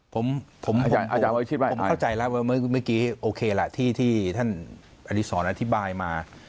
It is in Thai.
ผมเข้าใจแล้วว่าเมื่อกี้โอเคล่ะที่ท่านอดีศรอธิบายมา